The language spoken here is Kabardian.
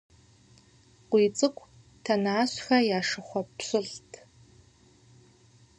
КъуийцӀыкӀу Тэнащхэ я шыхъуэ пщылӀт.